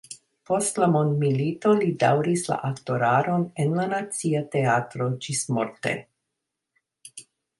Post la mondomilito li daŭris la aktoradon en la Nacia Teatro ĝismorte.